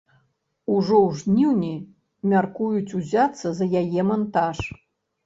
Ужо ў жніўні мяркуюць узяцца за яе мантаж.